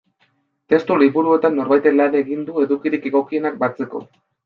Testu liburuetan norbaitek lan egin du edukirik egokienak batzeko.